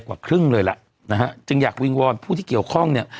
กว่าครึ่งเลยล่ะนะฮะจึงอยากวิงวอนผู้ที่เกี่ยวข้องเนี่ย